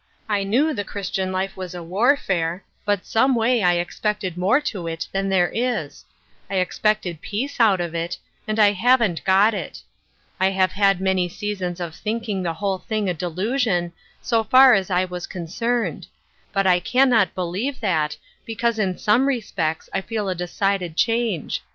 I knew the Christian life was a warfare, but someway I expected more to it than there is ; I expected peace out of it, and I Looking for an Easy Yoke. 206 haven't got it. I have had my seasons of think ing the whole thing a delusion, so far as I was concerned ; but I can not believe that, because in some respects I feel a decided change.